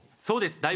そうです。